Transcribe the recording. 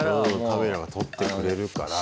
カメラが撮ってくれるから。